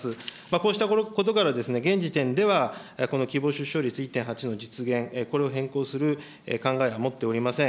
こうしたことから、現時点では、この希望出生率１．８の実現、これを変更する考えは持っておりません。